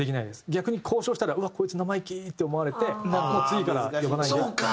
逆に交渉したらうわっこいつ生意気！って思われてもう次から呼ばないよって。